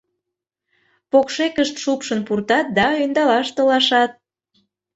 Покшекышт шупшын пуртат да ӧндалаш толашат.